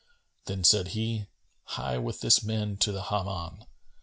Then said he, "Hie with this man to the Hammam."